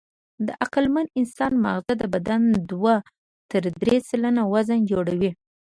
د عقلمن انسان ماغزه د بدن دوه تر درې سلنه وزن جوړوي.